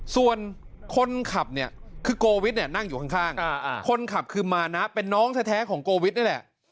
ส่วนคนขับเนี่ยคือโกวิทเนี่ยนั่งอยู่ข้างคนขับคือมานะเป็นน้องแท้ของโกวิทนี่แหละ